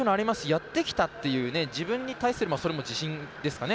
やってきたという自分に対する、自信ですかね